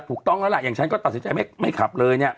ถูกต้องแล้วล่ะอย่างฉันก็ตัดสินใจไม่ขับเลยเนี่ย